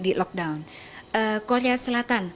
di lockdown korea selatan